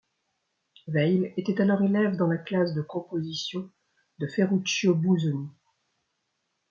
Weill était alors élève dans la classe de composition de Ferruccio Busoni.